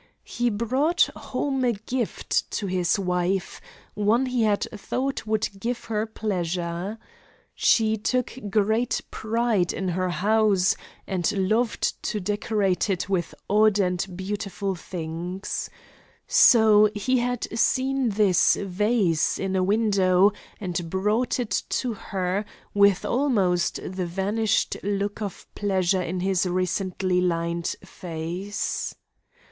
He brought home a gift to his wife one he had thought would give her pleasure. She took great pride in her house, and loved to decorate it with odd and beautiful things. So he had seen this vase in a window and brought it to her, with almost the vanished look of pleasure in his recently lined face.